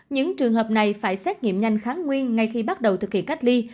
những trường hợp này phải xét nghiệm nhanh kháng nguyên ngay khi bắt đầu thực hiện cách ly